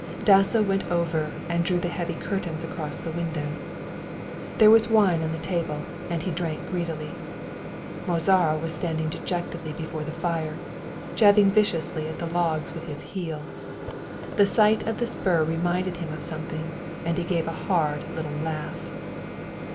Dasso went over and drew the heavy curtains across the windows. There was wine on the table and he drank greedily. Mozara was standing dejectedly before the fire, jabbing viciously at the logs with his heel. The sight of the spur reminded him of something, and he gave a hard little laugh.